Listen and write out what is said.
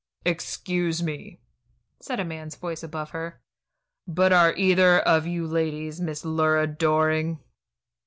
"Excuse me," said a man's voice above her, "but are either of you ladies Mrs. Lura Doring?"